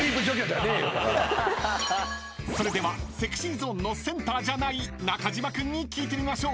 ［それではＳｅｘｙＺｏｎｅのセンターじゃない中島君に聞いてみましょう］